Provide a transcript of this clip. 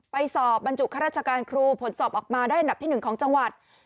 ไปสอบบรรจุข้าราชการครูผลสอบออกมาได้อันดับที่๑ของจังหวัด